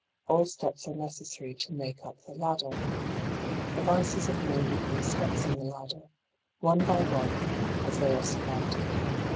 All steps are necessary to make up the ladder. The vices of .men become steps in the ladder, one by one, as they are surmounted.